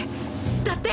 だって！